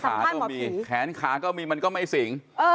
ก็มีแขนขาก็มีมันก็ไม่สิง